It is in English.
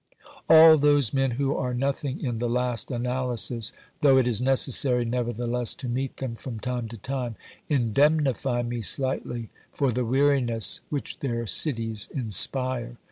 All those men who are nothing in the last analysis, though it is necessary nevertheless to meet them from time to time, indemnify me slightly for the weariness which their cities inspire.